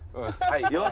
よし！